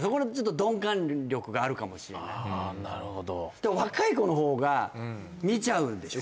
でも、若い子の方が見ちゃうんでしょ？